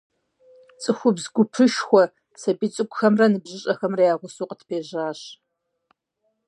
ЦӀыхубз гупышхуэ, сабий цӀыкӀухэмрэ ныбжьыщӀэхэмрэ я гъусэу къытпежьащ.